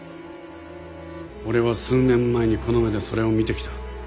俺は数年前にこの目でそれを見てきた。